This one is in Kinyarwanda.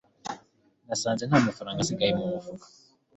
nasanze nta mafaranga asigaye mu mufuka